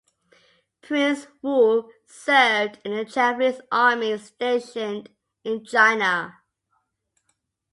Prince Wu served in the Japanese Army stationed in China.